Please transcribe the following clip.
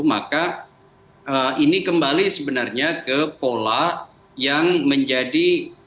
maka ini kembali sebenarnya ke pola yang menjadi